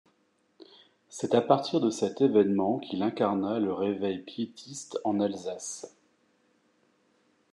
C'est à partir de cet évènement qu'il incarna le Réveil piétiste en Alsace.